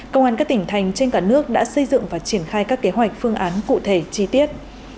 công an các tỉnh thành trên cả nước đã xây dựng và triển khai các kế hoạch phương án cụ thể chi tiết